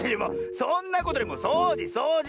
そんなことよりもそうじそうじ！